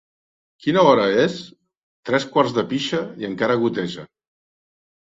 Quina hora és? —Tres quarts de pixa i encara goteja.